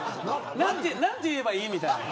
何て言えばいいみたいな。